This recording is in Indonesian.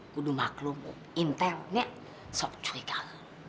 aku udah maklum intel nek sok curigaan